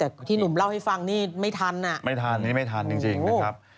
คนที่หนุ่มเล่าให้ฟังนี้ไม่ทันอะไม่ทันเนี้ยไม่ทันจริงนะครับ